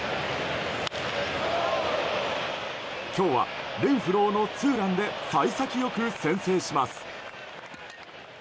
今日はレンフローのツーランで幸先良く先制します。